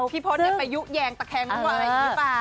พี่พจน์ไปยุแยงตะแคงหรือเปล่า